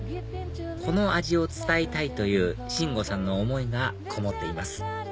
この味を伝えたいという真吾さんの思いがこもっています